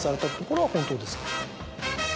これは本当ですか？